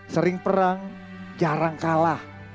sering perang jarang kalah